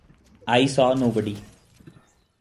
I saw nobody.